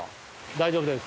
大丈夫です。